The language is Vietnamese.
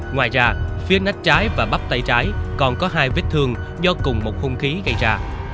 ngoài ra phía nách trái và bắp tay trái còn có hai vết thương do cùng một hung khí gây ra